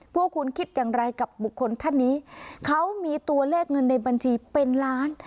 พวกคุณคิดอย่างไรกับบุคคลท่านนี้เขามีตัวเลขเงินในบัญชีเป็นล้าน